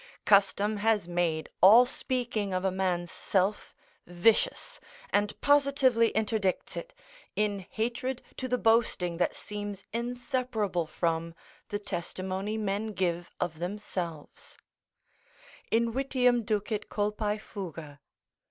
Custom has made all speaking of a man's self vicious, and positively interdicts it, in hatred to the boasting that seems inseparable from the testimony men give of themselves: "In vitium ducit culpae fuga."